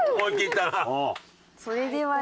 それでは。